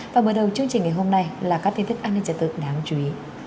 và mở đầu chương trình ngày hôm nay là các tiết thức an ninh trả tượng đáng chú ý